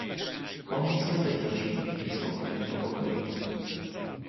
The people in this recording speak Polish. "Holmes rozejrzał się niespokojnie po pokoju."